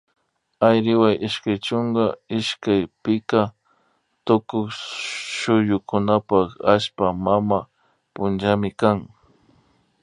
Ayriwa ishkay chunka ishkay pika tukuy suyukunapak allpa mama punllami kan